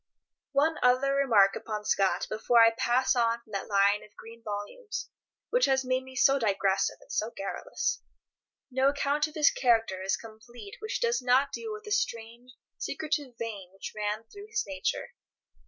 One other remark upon Scott before I pass on from that line of green volumes which has made me so digressive and so garrulous. No account of his character is complete which does not deal with the strange, secretive vein which ran through his nature.